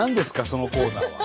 そのコーナーは。